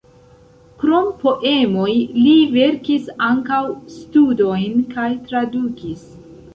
Krom poemoj li verkis ankaŭ studojn kaj tradukis.